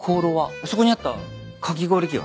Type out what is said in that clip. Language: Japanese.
あそこにあったかき氷器は？